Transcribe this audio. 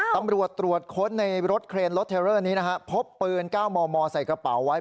ตำรวจตรวจค้นในรถเครนรถเทลเลอร์นี้นะฮะพบปืน๙มมใส่กระเป๋าไว้